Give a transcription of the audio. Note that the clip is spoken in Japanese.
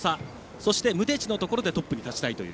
そして、ムテチのところでトップに立ちたいという。